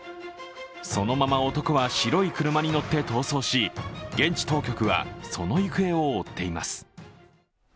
そのまま男は白い車に乗って逃走し現地当局はその行方を追っています。